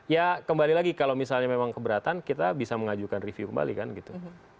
ya kembali lagi kalau misalnya memang keberatan kita bisa mengajukan review kembali kan gitu